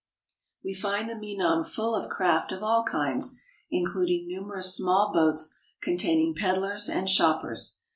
We find the Menam full of craft of all kinds, including numerous small boats containing peddlers and shoppers.